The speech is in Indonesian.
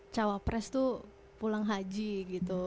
cawa press tuh pulang haji gitu